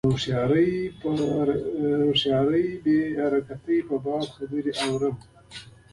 د هوښیاري بې حرکتۍ په باب خبرې اورو.